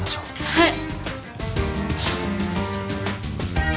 はい。